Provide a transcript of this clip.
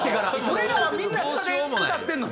俺らはみんな下で歌ってるので。